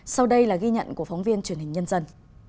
sau đây là ghi nhận của phóng viên truyền hình nhân dân